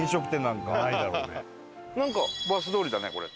なんかバス通りだねこれ。